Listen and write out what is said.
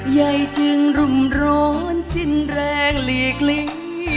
ใหญ่จึงรุ่มร้อนสิ้นแรงหลีกลี